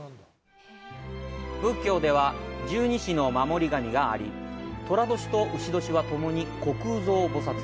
仏教では十二支の守り神があり、寅年と丑年は、ともに虚空蔵菩薩。